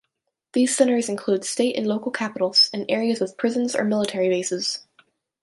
These centers include state and local capitals, and areas with prisons or military bases.